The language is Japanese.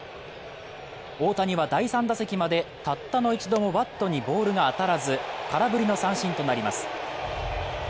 大谷は第３打席までたったの一度もバットにボールが当たらず、空振りの三振となります。